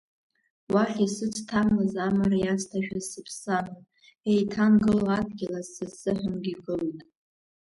Уахь исыцҭамлаз амра иацҭашәаз сыԥсы аман, еиҭангыло адгьылаз Са сзыҳәангьы игылоит…